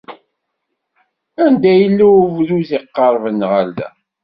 Anda yella ubduz iqerben ɣer da?